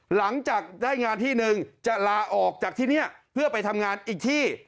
หลังจากได้งานที่หนึ่งจะลาออกจากที่นี่เพื่อไปทำงานอีกที่